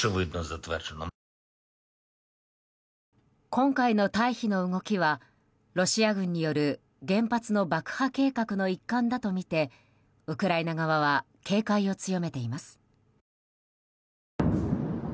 今回の退避の動きはロシア軍による原発の爆破計画の一環だとみてウクライナ側は警戒を強めています。